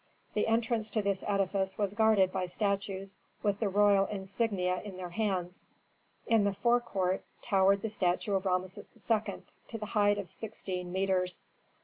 The entrance to this edifice was guarded by statues with the royal insignia in their hands. In the forecourt towered the statue of Rameses II. to the height of sixteen metres.